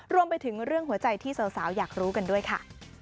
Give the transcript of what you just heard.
รวมไปถึงเรื่องหัวใจที่สาวอยากรู้กันด้วยค่ะ